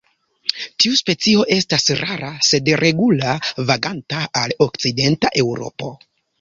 Tiu specio estas rara sed regula vaganta al okcidenta Eŭropo.